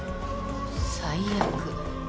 最悪。